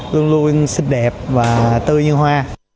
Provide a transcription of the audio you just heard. luôn luôn xinh đẹp và tươi như hoa